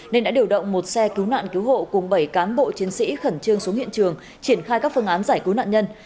nên đã điều động một xe cứu nạn cứu hộ cùng bảy cán bộ chiến sĩ khẩn trương xuống hiện trường triển khai các phương án giải cứu nạn nhân